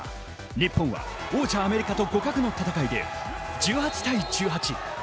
日本は王者アメリカと互角の戦いで１８対１８。